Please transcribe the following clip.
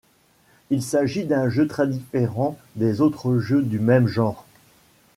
Il s'agit d'un jeu très différent des autres jeux du même genre.